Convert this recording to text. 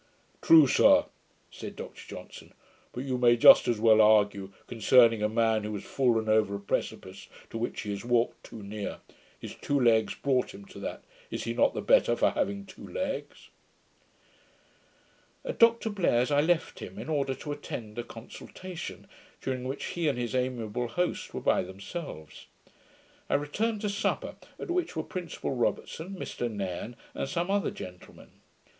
'True, sir,' said Dr Johnson: 'but you may just as well argue, concerning a man who has fallen over a precipice to which he has walked too near, "His two legs brought him to that" is he not the better for having two legs?' At Dr Blair's I left him, in order to attend a consultation, during which he and his amiable host were by themselves. I returned to supper, at which were Principal Robertson, Mr Nairne, and some other gentlemen.